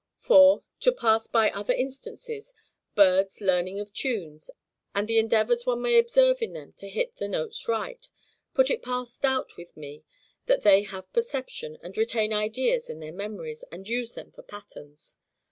For, to pass by other instances, birds learning of tunes, and the endeavours one may observe in them to hit the notes right, put it past doubt with me, that they have perception, and retain ideas in their memories, and use them for patterns.